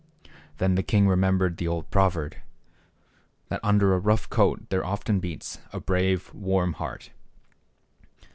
Then the king remembered the old proverb, that under a rough coat there often beats a brave, warm heart.